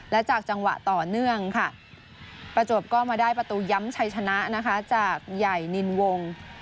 และจากจังหวะต่อเนื่องค่ะประจวบก็มาได้ประตูย้ำชัยชนะนะคะจากใหญ่นินวง